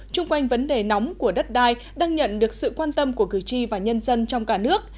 trung quanh vấn đề nóng của đất đai đang nhận được sự quan tâm của cử tri và nhân dân trong cả nước